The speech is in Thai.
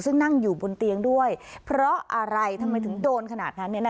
ซึ่งนั่งอยู่บนเตียงด้วยเพราะอะไรทำไมถึงโดนขนาดนั้น